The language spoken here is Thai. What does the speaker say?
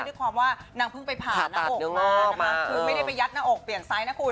ด้วยความว่านางเพิ่งไปผ่านหน้าอกมานะคะคือไม่ได้ไปยัดหน้าอกเปลี่ยนไซส์นะคุณ